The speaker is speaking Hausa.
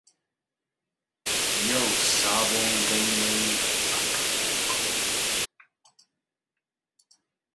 Yau sabon ganyen da aka aiko.